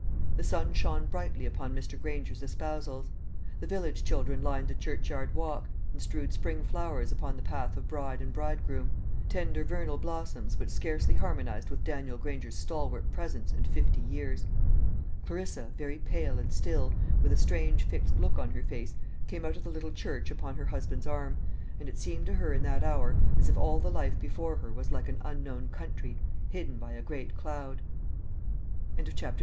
The sun shone brightly upon Mr. Granger's espousals. The village children lined the churchyard walk, and strewed spring flowers upon the path of bride and bridegroom tender vernal blossoms which scarcely harmonised with Daniel Granger's stalwart presence and fifty years. Clarissa, very pale and still, with a strange fixed look on her face, came out of the little church upon her husband's arm; and it seemed to her in that hour as if all the life before her was like an unknown country, hidden by a great cloud. CHAPTER XXVI. COMING HOME.